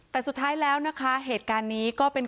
แต่สุดท้ายแล้วนะคะเหตุการณ์นี้ก็เป็น